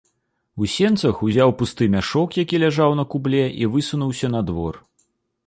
У сенцах узяў пусты мяшок, які ляжаў на кубле, і высунуўся на двор.